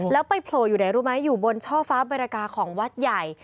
แล้วไปโผล่อยู่ไหนรู้ไหมอยู่บนช่อฟ้าบรกาของวัดใหญ่